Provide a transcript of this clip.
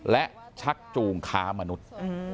และชักจูงค้ามนุษย์